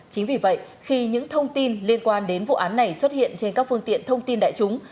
chính vì vậy khi những thông tin liên quan đến vụ án này xuất hiện trên các phương tiện thông tin đại chúng